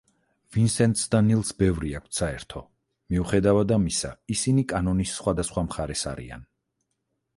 ვინსენტს და ნილს ბევრი აქვთ საერთო, მიუხედავად ამისა ისინი კანონის სხვადასხვა მხარეს არიან.